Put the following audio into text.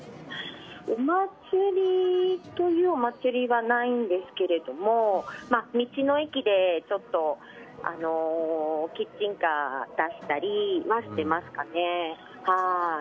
お祭りというお祭りはないんですけれども道の駅でちょっとキッチンカー出したりはしてますかね。